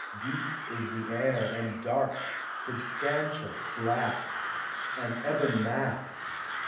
Deep is the air and dark, substantial, black — An ebon mass.